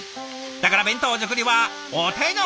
だから弁当作りはお手の物。